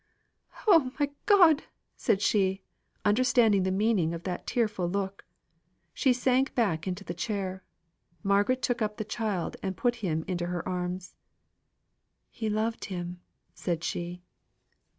"Oh, my God!" said she, understanding the meaning of that tearful look. She sank back into the chair. Margaret took up the child and put him into her arms. "He loved him," said she.